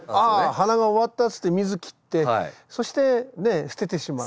「花が終わった」つって水切ってそして捨ててしまう。